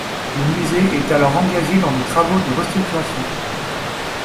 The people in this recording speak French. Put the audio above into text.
Le Musée est alors engagé dans des travaux de restructuration.